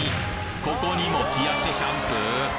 ここにも冷やしシャンプー！？